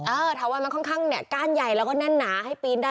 อ๋อเออถาวันมันข้างก้านใหญ่แล้วก็แน่นหนาให้ปีนได้